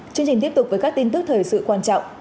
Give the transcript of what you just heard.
chương trình tiếp tục với các tin tức thời sự quan trọng